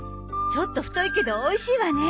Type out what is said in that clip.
ちょっと太いけどおいしいわね。